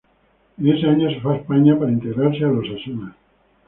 En ese año se fue a España para integrarse al Osasuna.